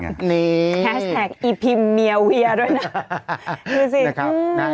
คุณแม่ของคุณแม่ของคุณแม่